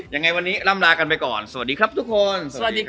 ยังไงวันนี้ล่ำลากันไปก่อนสวัสดีครับทุกคน